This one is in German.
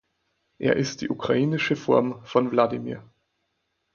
Er ist die ukrainische Form von "Wladimir".